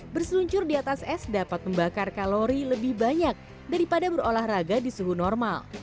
berseluncur di atas es dapat membakar kalori lebih banyak daripada berolahraga di suhu normal